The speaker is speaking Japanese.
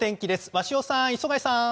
鷲尾さん、磯貝さん。